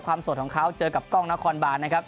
โสดของเขาเจอกับกล้องนครบานนะครับ